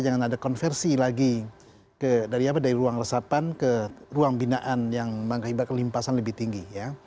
jangan ada konversi lagi dari ruang resapan ke ruang binaan yang menghibur kelimpasan lebih tinggi